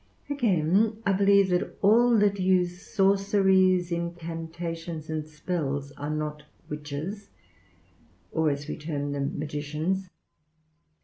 Again, I believe that all that use sorceries, incantations, and spells are not witches, or, as we term them, magicians.